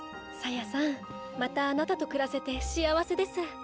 サヤさんまたあなたと暮らせて幸せです。